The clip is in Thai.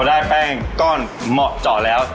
ได้แป้งก้อนเหมาะเจาะแล้ว